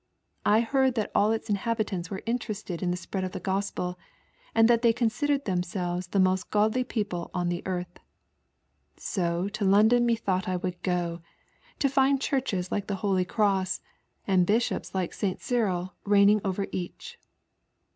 I heard that all its inhabitants were interested in the spread of the Gospel, and that they considered themselves the most godly people on the earth. So to Loudon methought T would go, to find churches like the Holy Cross, and bishops like St. Cyril reigning over each.